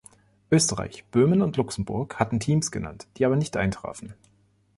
Österreich, Böhmen und Luxemburg hatten Teams genannt, die aber nicht eintrafen.